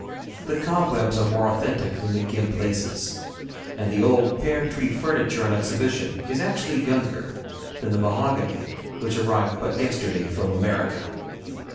The cobwebs are more authentic than the gimp laces, and the old pear tree furniture on exhibition is actually younger than the mahogany which arrived but yesterday from America.